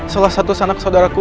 salah satu anak saudaraku